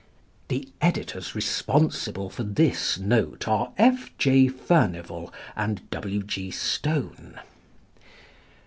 The editors responsible for this note are F. J. Furnivall and W. G. Stone.